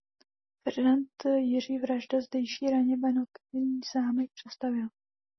Ferdinand Jiří Vražda zdejší raně barokní zámek přestavěl.